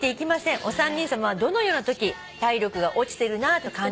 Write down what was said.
「お三人さまはどのようなとき体力が落ちてるなと感じますか？」